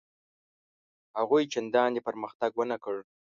هغوی چنداني پرمختګ ونه کړ.